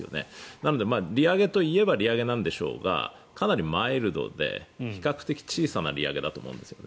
なので利上げといえば利上げなんでしょうがかなりマイルドで比較的小さな利上げだと思うんですよね。